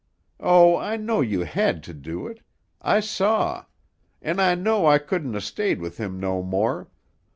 Oh, I know you hed to do it. I saw. An' I know I couldn't 'a' stayed with him no more.